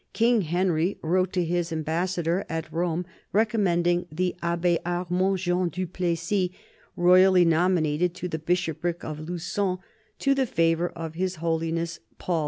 King Henry wrote to his Ambassador at Rome, recommending the Abbe Armand Jean du Plessis, royally nominated to the bishopric of Lu9on, to the favour of His Holiness Paul V.